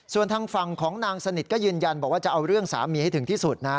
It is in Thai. ส่วนทางฝั่งของนางสนิทก็ยืนยันบอกว่าจะเอาเรื่องสามีให้ถึงที่สุดนะ